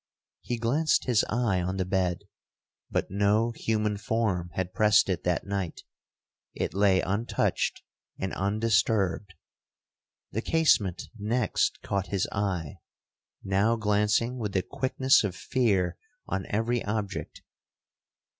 He glanced his eye on the bed, but no human form had pressed it that night—it lay untouched and undisturbed. The casement next caught his eye, now glancing with the quickness of fear on every object.